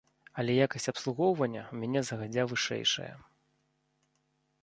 Але якасць абслугоўвання ў мяне загадзя вышэйшая.